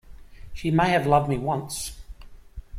She may have loved me once.